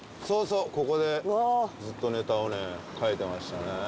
そうそうここでずっとネタをね書いてましたね。